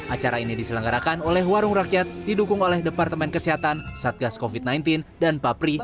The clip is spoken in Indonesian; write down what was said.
acara ini diselenggarakan oleh warung rakyat didukung oleh departemen kesehatan satgas covid sembilan belas dan papri